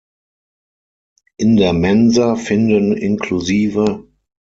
In der Mensa finden incl.